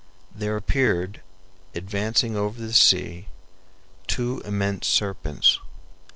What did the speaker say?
There appeared, advancing over the sea, two immense serpents.